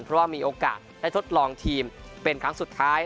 เพราะว่ามีโอกาสได้ทดลองทีมเป็นครั้งสุดท้าย